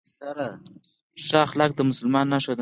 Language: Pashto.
ښه اخلاق د مسلمان نښه ده